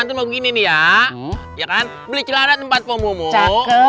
tuh liat mbak